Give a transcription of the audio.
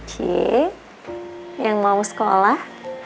cik yang mau sekolah